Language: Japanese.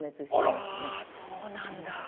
うわそうなんだ。